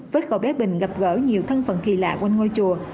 vết cậu bé bình gặp gỡ nhiều thân phận kỳ lạ quanh ngôi chùa